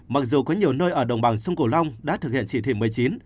mặc dù có nhiều nơi ở đồng bằng sông cổ long đã thực hiện chỉ thị một mươi chín